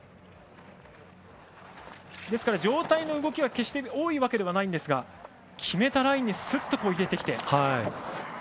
上体の動きは決して多いわけではないですが決めたラインにスッと入れてきて。